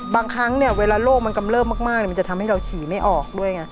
บางครั้งเวลาโรคมันกำเลิภมากมันจะทำให้เราฉีดไม่ออกด้วย